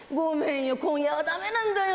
今夜は駄目なんだよ。